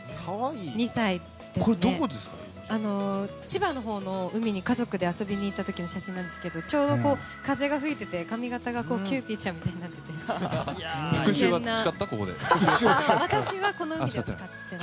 千葉のほうの海に家族で遊びに行った時の写真なんですけどちょうど風が吹いていて髪形がキューピーちゃんみたいになってて。